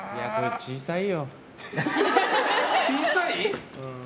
小さいよ。